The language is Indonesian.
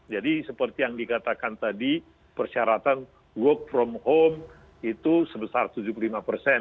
jadi seperti yang dikatakan tadi persyaratan work from home itu sebesar tujuh puluh lima persen